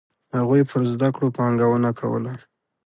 هغوی پر زده کړو پانګونه کوله.